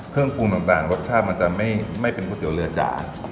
เครื่องปูนต่างแบบรสชาติมันจะไม่ไม่เป็นกุ๊ตเตี๋ยวเรือยาจ่ะค่ะ